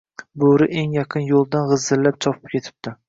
Boʻri eng yaqin yoʻldan gʻizillab chopib ketibdi